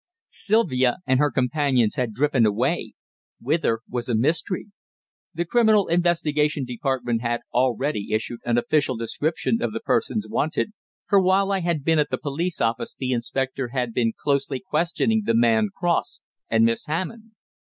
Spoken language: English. Sylvia and her companions had driven away whither was a mystery. The Criminal Investigation Department had already issued an official description of the persons wanted, for while I had been at the police office the inspector had been closely questioning the man Cross and Miss Hammond.